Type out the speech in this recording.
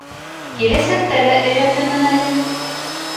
— Киләсәктә лә өйрәтермен әле.